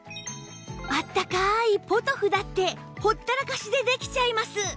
あったかいポトフだってほったらかしでできちゃいます